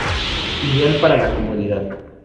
Ideal para la comodidad.